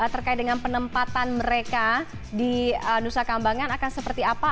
terkait dengan penempatan mereka di nusa kambangan akan seperti apa